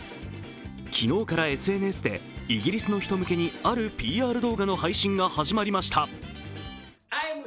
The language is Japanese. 昨日からＳＮＳでイギリスの人向けにあるＰＲ動画の配信が始まりました。